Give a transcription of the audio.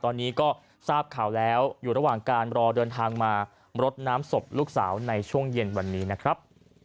ตอนนี้ก็ทราบข่าวแล้วอยู่ระหว่างการรอเดินทางมารดน้ำศพลูกสาวในช่วงเย็นวันนี้นะครับ